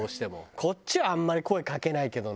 こっちはあんまり声かけないけどな。